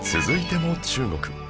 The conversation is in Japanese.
続いても中国